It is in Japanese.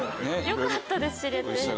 よかったです知れて。